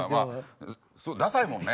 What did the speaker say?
ダサいもんね。